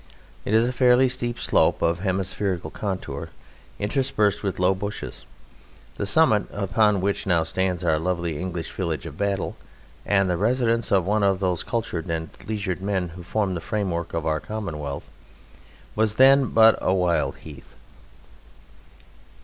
It is a fairly steep slope of hemispherical contour interspersed with low bushes; the summit (upon which now stands our lovely English village of Battle and the residence of one of those cultured and leisured men who form the framework of our commonwealth) was then but a wild heath.